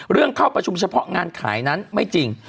เข้าประชุมเฉพาะงานขายนั้นไม่จริง